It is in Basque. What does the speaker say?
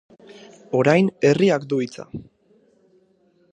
Orain herriak du hitza.